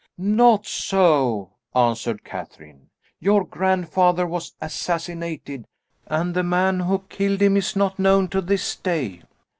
"Not so," answered Catherine; "your grandfather was assassinated, and the man who killed him is not known to this day.